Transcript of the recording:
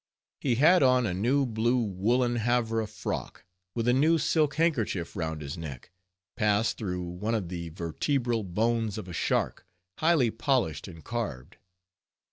He had on a new blue woolen Havre frock, with a new silk handkerchief round his neck, passed through one of the vertebral bones of a shark, highly polished and carved.